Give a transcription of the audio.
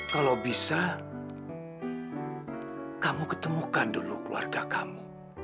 kalau bisa kamu ketemukan dulu keluarga kamu